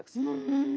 うん。